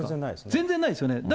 全然ないですよね。